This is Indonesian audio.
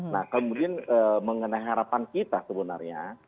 nah kemudian mengenai harapan kita sebenarnya